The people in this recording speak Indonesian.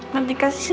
nanti kasih ya